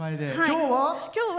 今日は？